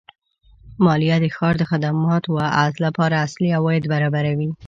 مالیه د ښار د خدماتو لپاره اصلي عواید برابروي.